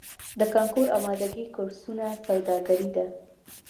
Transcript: د کانکور امادګۍ کورسونه سوداګري ده؟